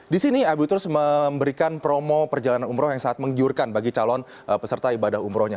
di sini abu turs memberikan promo perjalanan umroh yang sangat menggiurkan bagi calon peserta ibadah umrohnya